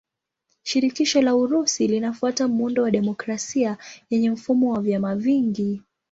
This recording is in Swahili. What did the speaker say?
Shirikisho la Urusi linafuata muundo wa demokrasia yenye mfumo wa vyama vingi.